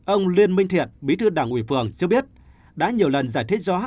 ông liên minh thiện bí thư đảng ủy phường cho biết đã nhiều lần giải thích rõ